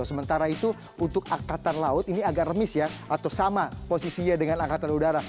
sementara itu untuk angkatan laut ini agak remis ya atau sama posisinya dengan angkatan udara